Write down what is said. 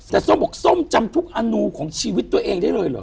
แต่ส้มบอกส้มจำทุกอนูของชีวิตตัวเองได้เลยเหรอ